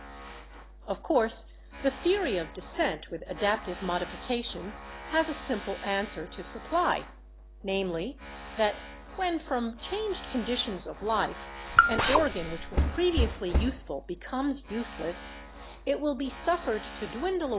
Of course the theory of descent with adaptive modification has a simple answer to supply — namely, that when, from changed conditions of life, an organ which was previously useful becomes useless, it will be suffered to dwindle away Fig.